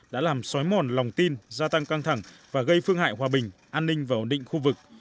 đã làm xói mòn lòng tin gia tăng căng thẳng và gây phương hại hòa bình an ninh và ổn định khu vực